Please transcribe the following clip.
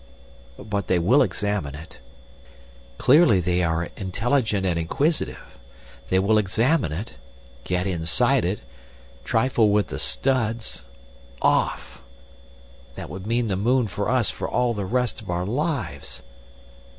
But they will examine it. Clearly they are intelligent and inquisitive. They will examine it—get inside it—trifle with the studs. Off! ... That would mean the moon for us for all the rest of our lives.